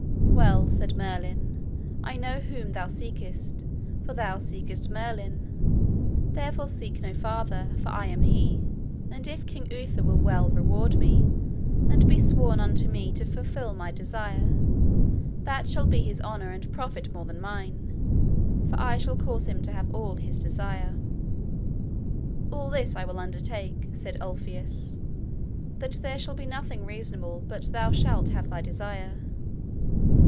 Well, said Merlin, I know whom thou seekest, for thou seekest Merlin; therefore seek no farther, for I am he; and if King Uther will well reward me, and be sworn unto me to fulfil my desire, that shall be his honour and profit more than mine; for I shall cause him to have all his desire. All this will I undertake, said Ulfius, that there shall be nothing reasonable but thou shalt have thy desire.